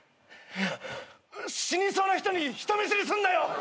死にそうな人に人見知りすんなよ！